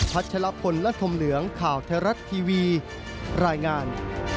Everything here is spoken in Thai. ชัชลพลรัฐธมเหลืองข่าวไทยรัฐทีวีรายงาน